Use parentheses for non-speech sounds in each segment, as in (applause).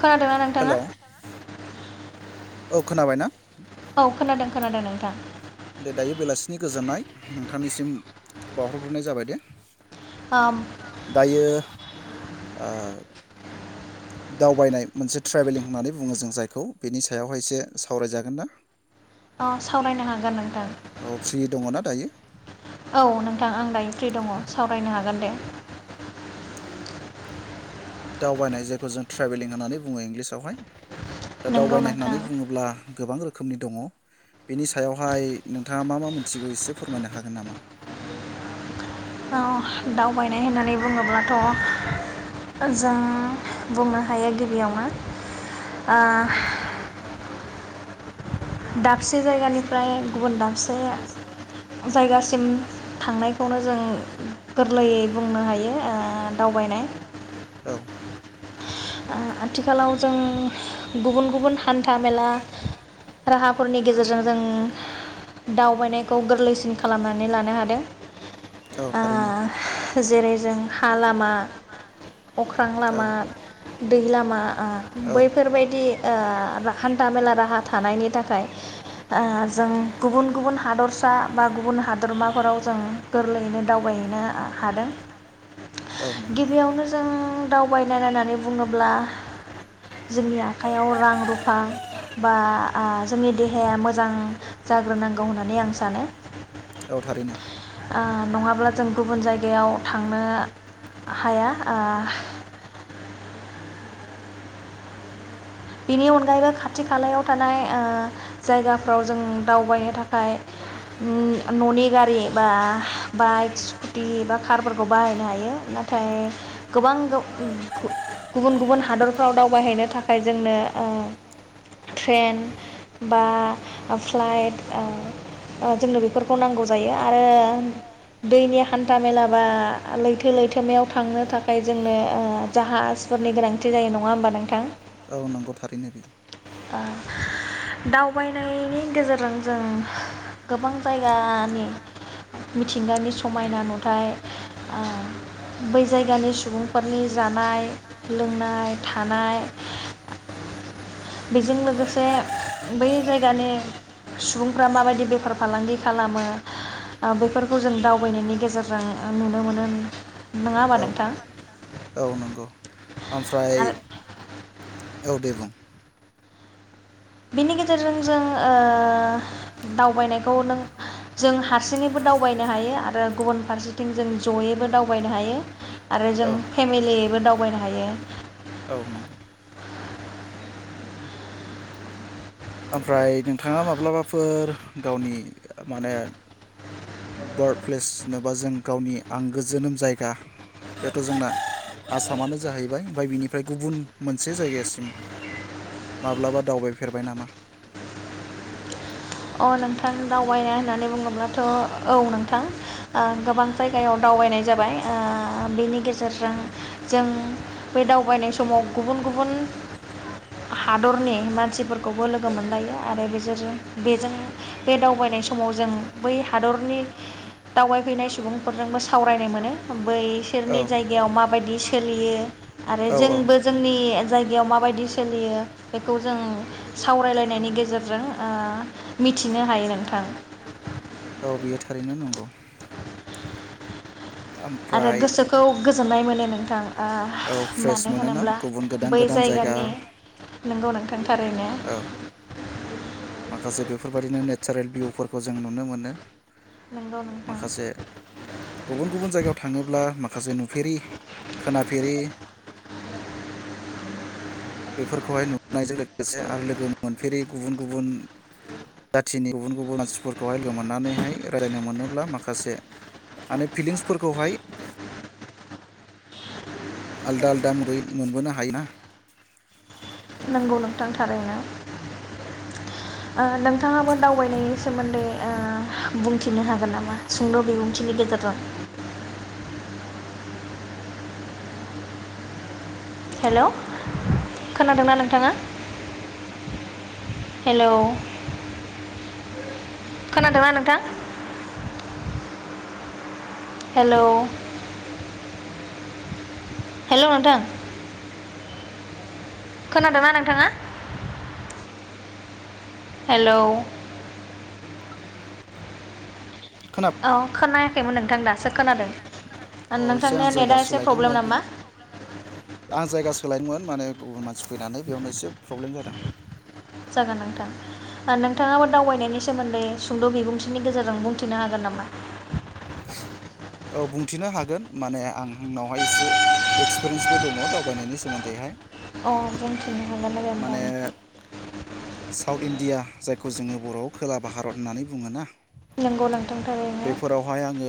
खोनादोंना नोंथाङा? औ खोनाबाय ना? औ, खोनादों खोनादों नोंथां, दे दायो बेलासिनि गोजोननाय। नोंथांनिसिम बावहरग्रोनाय जाबाय दे। दायो। आ दावबायनाय मोनसे ट्रेभेलिं होननानै बुङो जों जायखौ बेनि सायावहाय एसे सावरायजागोन ना। (inaudible) औ फ्रि दङना दायो? औ नोंथां आं दायो फ्रि दङ सावरायनो हागोन दे। दावबायनाय जायखौ जों ट्रेभेलिं होननानै बुङो इंलिसावहाय दा दावबायनाय होननानै बुङोब्ला गोबां रोखोमनि। दङ बेनि सायावहाय नोंथाङा मा मा मोनथिगौ एसे फोरमायनो हागोन नामा। आ, दावबायनाय होननानै बुङोब्लाथ' जों बुंनो हायो गिबियावनो ओ आ दाबसे जायगानिफ्राय गुबुन दाबसे जायगासिम थांनायखौनो जों गोरलैयै बुंनो हायो आ दावबायनाय आ, आथिखालाव जों गुबुन -गुबुन हान्था मेला राहाफोरनि गेजेरजों जों दावबायनायखौ गोरलैसिन खालामनानै लानो हादों आ, जेरै जों हा लामा, अख्रां लामा दै लामा बैफोरबायदि ओ हान्थामेला राहा थानायनि थाखाय ओ जों गुबुन-गुबुन हादरसा बा गुबुन हादरमाफोराव जों गोरलैयैनो दावबायहैनो हादों। गिबियावनो जों दावबायनाय होननानै बुङोब्ला जोंनि आखायाव रां रुफा बा जोंनि देहाया मोजां जाग्रोनांगौ होननानै आं सानो आ, नङाब्ला जों गुबुन जायगायाव थांनो हाया, आ बिनि अनगायैबो खाथि खालायाव थानाय आ, जायगाफ्राव जों दावबायनो थाखाय ओ न'नि गारि बा बाइक स्कुटि बा कारफोरखौ बाहायनो हायो, नाथाय गोबां गु-गुबुन-गुबुन हादरफ्राव दावबायहैनो थाखाय जोंनो ओ ट्रेन बा फ्लाइट आ, आ, जोंनो बेफोरखौ नांगौ जायो आरो दैनि हान्था मेला बा लैथो लैथोमायाव थांनो थाखाय जोंनो आ, जाहाजफोरनि गोनांथि जायो नङा होमबा नोंथां? आ, दावबायनायनि गेजेरजों जों गोबां जायगानि मिथिंगानि समायना नुथाय आ, बै जायगानि सुबुंफोरनि जानाय लोंनाय थानाय (inaudible) बेजों लोगोसे बै जायगानि सुबुंफ्रा माबायदि बेफार फालांगि खालामो बेफोरखौ जों दावबायनायनि गेजेरजों नुनो मोनो नङा होमा नोंथां? आरो औ दे बुं। बिनि गेजेरजों जों ओ दावबायनायखौ नों जों हारसिङैबो दावबायनो हायो आरो गुबुन फारसेथिं जों जयैबो दावबायनो हायो आरो जों फेमिलियैबो दावबायनो हायो। ओमफ्राय नोंथाङा माब्लाबाफोर गावनि माने बार्थ प्लेस होनोबा जों गावनि आंगो जोनोम जायगा बेथ' जोंना (inaudible) आसामानो जाहैबाय ओमफ्राय बिनिफ्राय गुबुन मोनसे जायगासिम माब्लाबा दावबायफेरबाय नामा? अ नोंथां दावबायनाय होननानै बुङोब्लाथ' औ नोंथां ओ गोबां जायगायाव दावबायनाय जाबाय ओ बेनि गेजेरजों जों बे दावबायनाय समाव गुबुन-गुबुन हादरनि मानसिफोरखौबो लोगो मोनलायो आरो बिसोरजों बेजों बे दावबायनाय समाव जों बै हादरनि दावबायफैनाय सुबुंफोरजोंबो सावरायनो मोनो बैसोरनि जायगायाव माबायदि सोलियो आरो जोंबो जोंनि जायगायाव माबायदि सोलियो बेखौ जों सावरायलायनायनि गेजेरजों ओ ओ मिथिनो हायो नोंथां औ बेयो था थारैनो नोंगौ। आरो गोसोखौ गोजोननाय मोनो नोंथां ओ मानो होनोब्ला बै जायगानि नोंगौ नोंथां (unintelligible) थारैनो औ माखासे बे फोरबायदिनो नेचारेल भिउफोरखौ जों नुनो मोनो। माखासे गुबुन-गुबुन जायगायाव थाङोब्ला माखासे नुफेरि खोनाफेरि। बेफोरखौहाय नुनायजों लोगोसे आरो लोगो मोनफेरि गुबुन-गुबुन जातिनि गुबुन-गुबुन मानसिफोरखौहाय लोगो मोननानैहाय रायलायनो मोनोब्ला माखासे माने फिलिंसफोरखौहाय आलदा-आलदा महरै मोनबोनो हायो ना। नोंगौ नोंथां थारैनो ओ‌ नों थाङाबो दावबायनायनि सोमोन्दै ओ‌ बुंथिनो हा गोन‌ नामा सुंद' बिबुंथिनि गेजेर रजों। हेलौ खोनादोंना नोंथाङा हेलौ खोनादोंना नोंथां? हेलौ। हेलौ नोंथां। खोनादोंना नोंथाङा? हेलौ। औ खोनायाखैमोन नोंथां दासो खोनादों नोंथांनि नेटआ एसे प्रब्लेम नामा? माने गुबुन मानसि फैनानै बेयावनो एसे प्रब्लेम जादों। जागोन नोंथां ओ नोंथाङाबो दावबायनायनि सोमोन्दै सुंद' बिबुंथिनि गेजेरजों बुंथिनो हागोन नामा? औ बुंथिनो हागोन माने आंं आंनावहाय इसे एक्सपिरियेन्सबो दङ दावबायनायनि सोमोन्दैहाय। अ जोंनिथिंनो नोंथां साउथ इण्डिया जायखौ जोङो बर'आव खोला भारत होननानै बुङो ना। नोंगौ नों बेफोरावहाय आङो।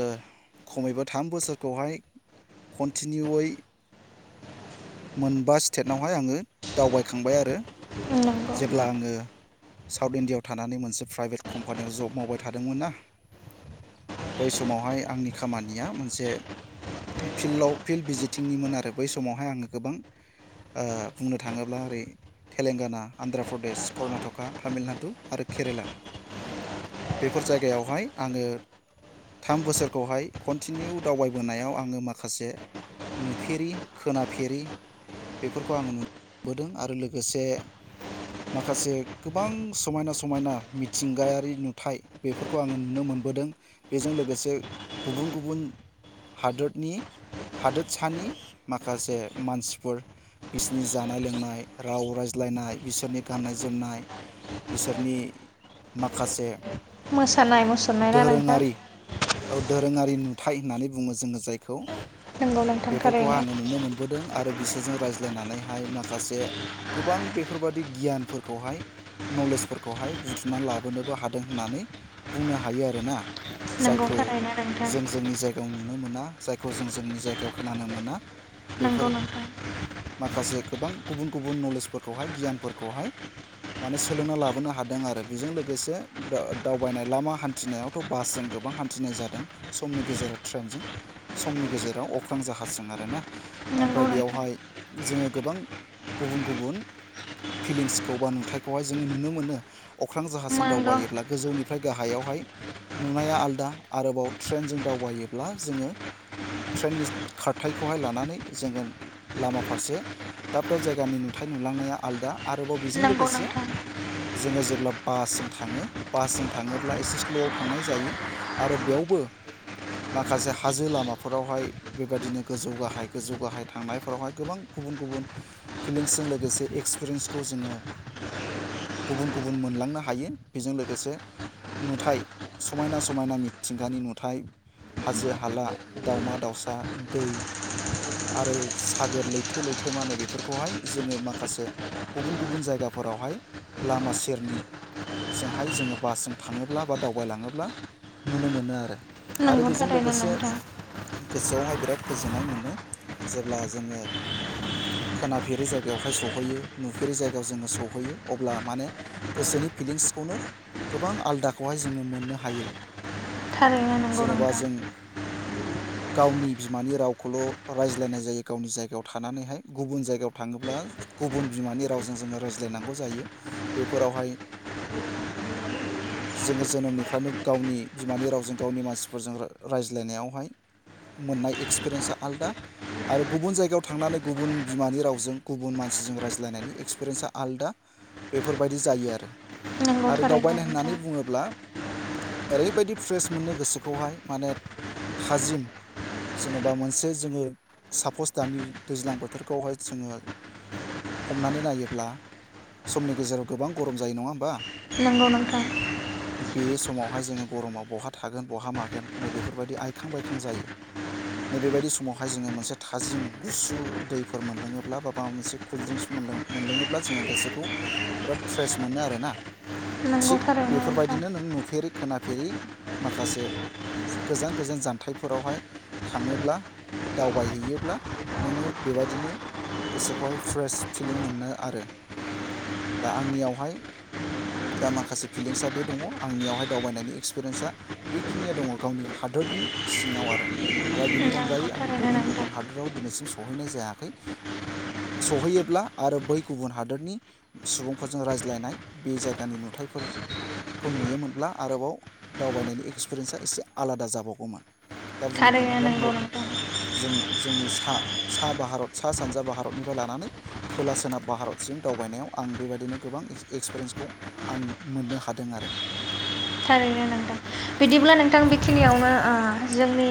खमैबो थाम बोसोरखौहाय कन्टिनिउयै। मोनबा स्टेटावहाय आङो दावबायखांबाय आरो। जेब्ला आङो। साउथ इण्डियाआव थानानै मोनसे प्राइभेट कम्पानियाव जब मावबाय थादोंमोन ना बै समावहाय आंनि खामानिया मोनसे फिल्डआव फिल्ड भिजिटिंनिमोन आरो बै समावहाय आङो। गोबां बुंनो थाङोब्ला ओ ओरै थेलेंगाना आन्ध्र प्रदेश कर्नाटका तामिलनाडु आरो केरेला बेफोर जायगायावहाय आङो थाम बोसोरखौहाय कन्टिनिउ दावबायबोनायाव आङो माखासे नुफेरि खोना फेरि बेफोरखौ आङो नुबोदों आरो लोगोसे माखासे गोबां समायना समायना मिथिंगायारि नुथ बेफोरखौ आङो नुनो मोनबोदों बेजों लोगोसे गुबुन गुबुन हादोरनि हादोरसानि माखा माखासे मानसिफोर बिसोरनि जानाय लोंनाय राव रायज्लायनाय बिसोरनि गाननाय जोमनाय बिसोरनि माखासे मोसानाय मुसुरनाय ना नोंथां दोरोङारि नुथाय होननानै बुङो जोङो जायखौ नोंगौ नोंथां थारैनो नुनो मोनबोदों आर आरो बिसोरजों रायज्लायनानैहाय माखासे गोबां बेफोरबादि गियानफोरखौहाय नलेजफोरखौहाय बुथुमनानै लाबोनोबो हादों होननानै बुंनो हायो आरोना जायखौ जों जोंनि जायगायाव नुनो मोना जायखौ जों जोंनि जायगायाव खोनानो मोना नंगौ नोंथां गोबां गुबुन गुबुन नलेजफोरखौहाय गियानफोरखौहाय माने सोलोंना लाबोनो हादों आरो बेजों लोगोसे दा दावबायनाय लामा हान्थिनायावथ बासजों गोबां हान्थिनाय जादों समनि गेजेराव ट्रेनजों समनि गेजेराव अख्रां जाहाजजों आरो ना ओमफ्राय बेयावहाय जोङो गोबां गुबुन गुबुन फिलिंसखौ बा नुथायखौहाय जोङो नुनो मोनो अख्रा बिफां जाहाजों दावबायोब्ला गोजौनि ओमफ्राय गाहायावहाय नुनाया आलादा आरोबाव ट्रेनजों दावबायोब्ला जोङो ट्रेननि खारथायखौ खौहाय लानानै जोङो लामा फारसे दाब दाब जायगानि नुथाय नुलांनाया आलदा आरो आरोबाव बेजों लोगोसे जोङो जेब्ला बासजों थाङो बासजों थाङोब्ला एसे स्लआव थांनाय जायो आरो बेयावबो माखासे हाजो लामाफोरावहाय बेबायदिनो गोजौ गाहाय गोजौ गाहाय थांनायफोरावहाय गोबां गुबुन गुबुन फिलिंसजों लोगोसे एक्सपिरियेन्सखौ जोङो गुबुन गुबुन मोनलांनो हायो बेजों लोगोसे नुथाय समायना समायना मिथिंगानि नुथाय हाजो हाला दावमा दावसा दै आरो सागोर लैथो लैथोमा नै बेफोरखौहाय जोङो माखासे गुबुन गुबुन जायगाफोरावहाय लामा सेरनिजोंहाय जोङो बासजों थाङोब्ला बा दावबायलाङोब्ला नुनो मोनो आरो नोंगौ थारैनो नोंथां। गोसोआवहाय बिराद गोजोननाय मोनो जेब्ला जोङो खोनाफेरि जायगायावहाय सहैयो नुफेरै जायगायाव जोङो सहैयो अब्ला माने गोसोनि फिलिंसखौनो गोबां आलादाखौहाय जोङो मोननो हायो थारैनो नोंगौ नोंथां गावनि बि बिमानि रावखौल रायज्लायनाय जायो गावनि जायगायाव थानानैहाय गुबुन जायगायाव थांङोब्ला गुबुन बिमानि रावजों जोङो रायज्लाइनांगौ जायो बेफोरावहाय जोंङो जोनोमनिफ्रायनो गावनि बिमानि रावजों गावनि मानसिफोरजों राय रायज्लाइनायावहाय मोननाय एक्सपिरियेन्सा आलदा आरो गुबुन जायगायाव थांनानै गुबुन बिमानि रावजों गुबुन मानसिजों रायज्लायनायनि इक्सपिरियेन्सा आलदा बेफोरबायदि जायो आरो आरो दावबायनाय होननानै बुङोब्ला ओरैबायदि फ्रेस मोननो गोसोखौहाय माने थाजिम जेनबा मोनसे जोङो सापस दानि दैज्लां बोथोरखौहाय जोङो हमनानै नायोब्ला समनि गेजेराव गोबां गरम जायो नङा होमबा नोंगौ नोंथां बे समावहाय जोङो गरमाव बहा थागोन बहा मागोन नै बेफोरबायदि आइखां बायखां जायो नैबेबायदि समावहाय जोङो मोनसे थाजिम गुसु दैफोर मोनलोङोब्ला बा माबा मोनसे कुल्ड ड्रिंक्स मोनलोङोब्ला जोङो गोसोखौ बिराद फ्रेस मोनो आरोना थिग बेफोरबायदिनो नों नुफेरै खोनाफेरि माखासे गोजान गोजान जानथायाइफोरावहाय थाङोब्ला दावबायहैयोब्ला नोङो बेबायदिनो गोसोखौहाय फ्रेस फिलिं मोनो आरो दा आंनियावहाय दा माखासे फिलिंसआ बे दङ आंनियावहाय दावबायनायनि एक्सपिरियेन्सा बेखिनिया दङ गावनि हादोरनि सिङाव आरो ओमफ्राय बेनि अनगायै आं गुबुन गुबुन हादोराव दिनैसिम सहैनाय जायाखै सहैयोब्ला आरो बै गुबुन हादोरनि सुबुंफोरजों रायज्लायनाय बे जाय गानि नुथाइफोरखौ नुयोमोनब्ला आरोबाव दावबायनायनि एक्सपिरियेन्सा एसे आलादा जाबावगौमोन दा बुंनो थाङोब्ला नर्थ जों जोंनि सा भारत सा सानजा भारतनिफ्राय लानानै खोला सोनाब भारतजों दावबायनायाव आं बेबायदिनो गोबां एक्सपिरिन्सखौ आं मोननो हादों आरो थारैनो नोंथां बिदिब्ला नोंथां बेखिनियावनो ओ जोंनि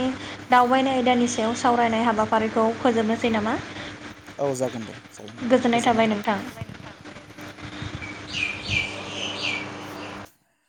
दावबायनाय आयदानि सायाव सावरायनाय हाबाफारिखौ फोजोबनोसै नामा जायो नोंथां गोजोननाय थाबाय (inaudible)